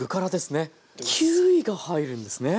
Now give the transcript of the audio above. キウイが入るんですね。